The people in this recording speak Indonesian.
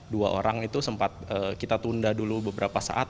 dua orang itu sempat kita tunda dulu beberapa saat